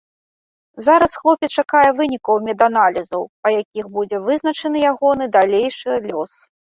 Зараз хлопец чакае вынікаў меданалізаў, па якіх будзе вызначаны ягоны далейшы лёс.